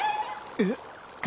えっ？